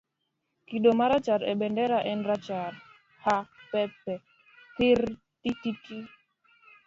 Kido marachar e bandera en rachar. ha . pe pe . thirrr tititi